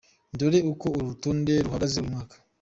Dore uko uru rutonde ruhagaze uyu mwaka:.